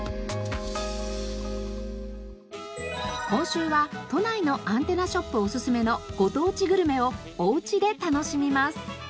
今週は都内のアンテナショップおすすめのご当地グルメをおうちで楽しみます。